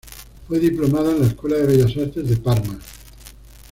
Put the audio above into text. Fue diplomado en la Escuela de Bellas Artes de Parma.